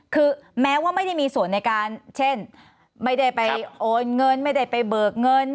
คือแม้ว่าไม่ได้มีส่วนในการเช่นไม่ได้ไปโอนเงินไม่ได้ไปเบิกเงิน